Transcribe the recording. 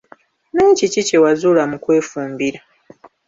Naye kiki kye wazuula mu kwefumbira?